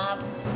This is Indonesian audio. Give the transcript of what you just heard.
mgak punya otak